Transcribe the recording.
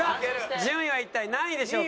順位は一体何位でしょうか？